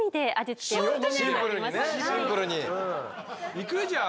いくじゃあ？